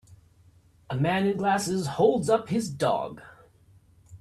A man in glasses holds up his dog.